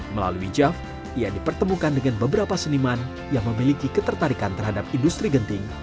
melalui jav ia dipertemukan dengan beberapa seniman yang memiliki ketertarikan terhadap industri genting